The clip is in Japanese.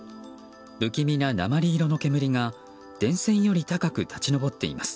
不気味な鉛色の煙が電線より高く立ち上っています。